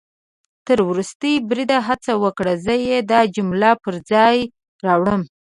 تر ورستي بریده هڅه وکړه، زه يې دا جمله پر ځای راوړم